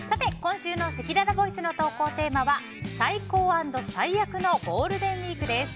今週のせきららボイスの投稿テーマは最高＆最悪のゴールデンウィークです。